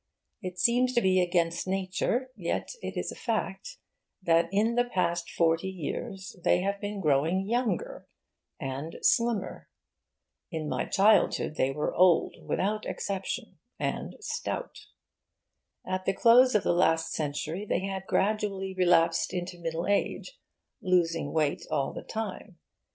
It seems to be against nature, yet it is a fact, that in the past forty years they have been growing younger; and slimmer. In my childhood they were old, without exception; and stout. At the close of the last century they had gradually relapsed into middle age, losing weight all the time.